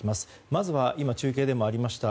まずは今、中継でもありました